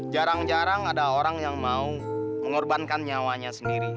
jarang jarang ada orang yang mau mengorbankan nyawanya sendiri